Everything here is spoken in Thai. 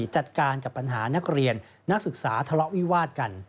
จัดการกับปัญหานักเรียนนักศึกษาทะเลาะวิวาดกัน